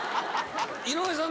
井上さん